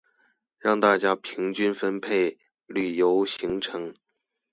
讓大家平均分配旅遊行程